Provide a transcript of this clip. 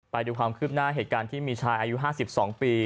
ไปดูความคืบหน้าเหตุการณ์ที่มีชายอายุ๕๒ปี